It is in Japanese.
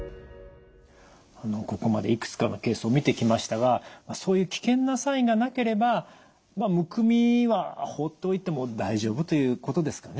ここまでいくつかのケースを見てきましたがそういう危険なサインがなければむくみは放っておいても大丈夫ということですかね。